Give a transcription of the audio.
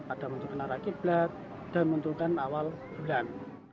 ada menentukan arah qiblat dan menentukan awal bulan